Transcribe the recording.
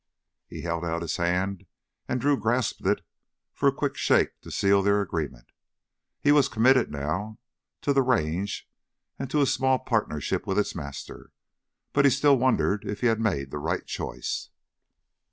He held out his hand, and Drew grasped it for a quick shake to seal their agreement. He was committed now—to the Range and to a small partnership with its master. But he still wondered if he had made the right choice.